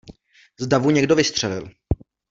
Z davu někdo vystřelil.